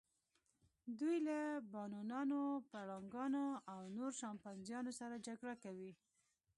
دوی له بابونانو، پړانګانو او نورو شامپانزیانو سره جګړه کوي.